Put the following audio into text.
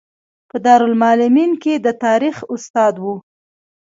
په دارالمعلمین کې د تاریخ استاد و.